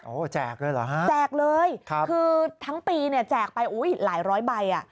โอ้วแจกเลยหรอฮะแจกเลยคือทั้งปีเนี่ยแจกไปหลายร้อยใบ